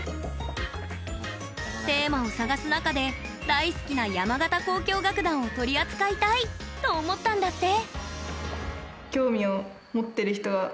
テーマを探す中で大好きな山形交響楽団を取り扱いたいと思ったんだって。